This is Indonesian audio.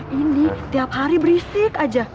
ini tiap hari berisik aja